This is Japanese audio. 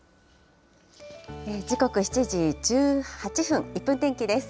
時刻７時１８分、１分天気です。